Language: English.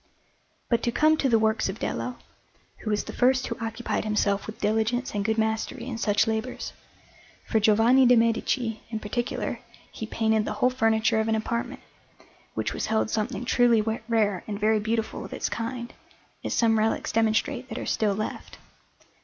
But to come to the works of Dello, who was the first who occupied himself with diligence and good mastery in such labours; for Giovanni de' Medici, in particular, he painted the whole furniture of an apartment, which was held something truly rare and very beautiful of its kind, as some relics demonstrate that are still left.